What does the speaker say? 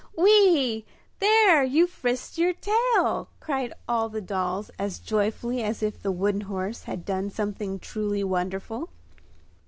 "Whee! There, you frisked your tail!" cried all the dolls as joyfully as if the wooden horse had done something truly wonderful.